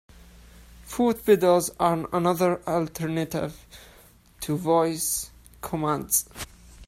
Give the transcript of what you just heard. Foot pedals are another alternative to voice commands.